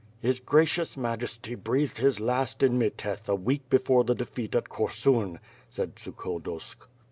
"His Gracious Majesty breathed his last in Meteth a week before the defeat at Korsun," said Sukhodolsk.